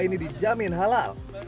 ini dijamin halal